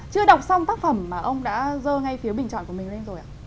chưa đọc xong tác phẩm mà ông đã dơ ngay phiếu bình chọn của mình lên rồi ạ